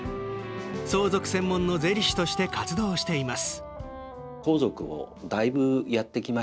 相続専門の税理士として活動しています。